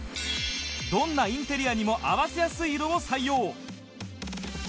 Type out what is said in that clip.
どんなインテリアにも合わせやすい色を採用